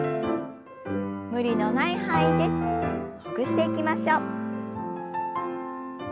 無理のない範囲でほぐしていきましょう。